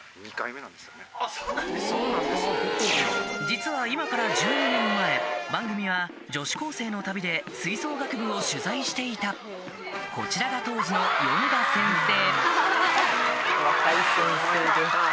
実は今から１２年前番組は女子高生の旅で吹奏楽部を取材していたこちらが当時の米田先生